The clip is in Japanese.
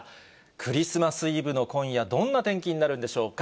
クリスマスイブの今夜、どんな天気になるんでしょうか。